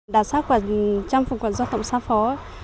đặc sắc trong phòng quản do tổng xá phó